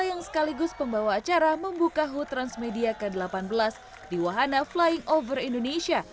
yang sekaligus pembawa acara membuka hood transmedia ke delapan belas di wahana flyover indonesia